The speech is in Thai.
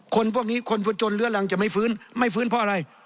คนพวกนี้คนผจนเลื้อรังจะไม่ฟื้นไม่ฟื้นเพราะอะไร